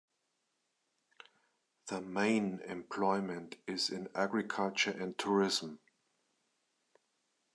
The main employment is in agriculture and tourism.